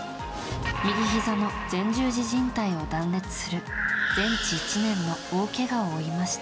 右ひざの前十字じん帯を断裂する全治１年の大けがを負いました。